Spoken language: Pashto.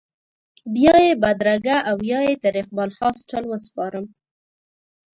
بیا یې بدرګه او یا یې تر اقبال هاسټل وسپارم.